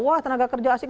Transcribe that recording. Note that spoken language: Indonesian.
wah tenaga kerja asing